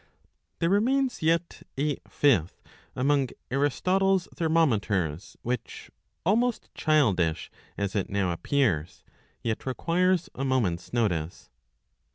There remains yet a fifth among Aristotle's thermometers, which, almost childish as it now appears, yet requires a moment's notice.